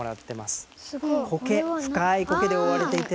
コケ深いコケで覆われていて。